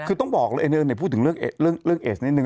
คือต้องบอกเลยพูดถึงเรื่องเอสนิดนึ